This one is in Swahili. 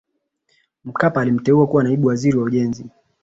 Mkapa alimteua kuwa Naibu Waziri wa Ujenzi